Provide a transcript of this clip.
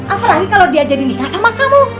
apalagi kalau dia jadi nikah sama kamu